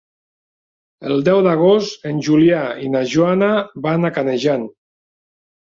El deu d'agost en Julià i na Joana van a Canejan.